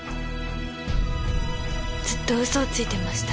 ずっと嘘をついてました。